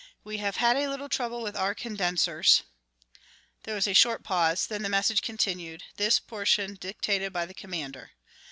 "We have had a little trouble with our condensers " There was a short pause, then the message continued, this portion dictated by the commander.